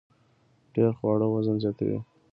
ډیر خواړه وزن زیاتوي